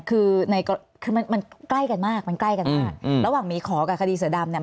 คือในก็คือมันมันใกล้กันมากมันใกล้กันมากอืมระหว่างหมีขอกับคดีเสือดำเนี่ย